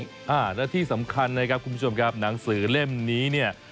อ่าและที่สำคัญนะครับคุณผู้ชมครับหนังสือเล่มนี้เนี่ย